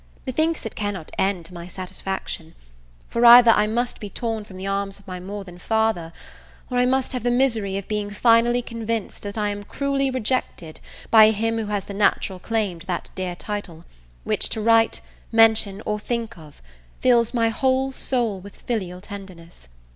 Methinks it cannot end to my satisfaction: for either I must be torn from the arms of my more than father, or I must have the misery of being finally convinced, that I am cruelly rejected by him who has the natural claim to that dear title, which to write, mention, or think of, fills my whole soul with filial tenderness.